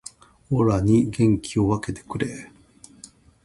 オラに元気を分けてくれー